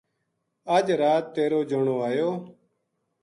اج رات تیر و جنو ایو